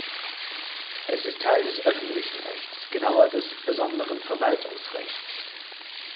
Es ist Teil des öffentlichen Rechts, genauer des Besonderen Verwaltungsrechts.